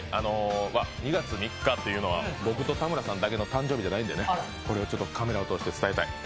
２月３日というのは僕と田村さんだけの誕生日でなはいんでこれをちょっとカメラを通して伝えたい。